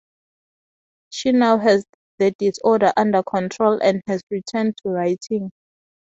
She now has the disorder under control and has returned to writing.